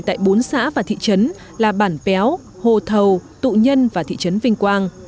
tại bốn xã và thị trấn là bản péo hồ thầu tụ nhân và thị trấn vinh quang